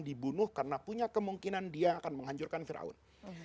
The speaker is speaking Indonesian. dibunuh karena punya kemungkinan dia akan menghancurkan fir'aun